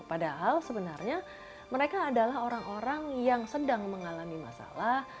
padahal sebenarnya mereka adalah orang orang yang sedang mengalami masalah